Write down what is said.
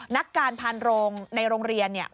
นักการพานโรงในโรงเรียน